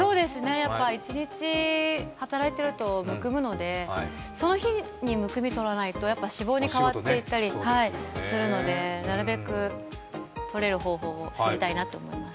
一日、働いているとむくむのでその日にむくみを取らないと、やっぱり脂肪に変わっていったりするので、なるべくとれる方法を知りたいと思います。